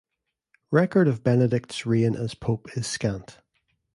Record of Benedict's reign as pope is scant.